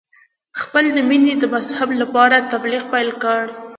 خپل د مینې د مذهب لپاره تبلیغ پیل کړ.